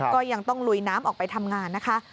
ก็ยังต้องลุยน้ำออกไปทำงานนะคะ